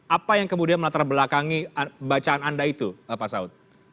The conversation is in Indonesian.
apa yang kemudian melatar belakangi bacaan anda itu pak saud